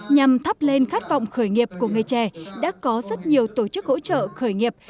nhằm thắp lên khát vọng khởi nghiệp của người trẻ đã có rất nhiều tổ chức hỗ trợ khởi nghiệp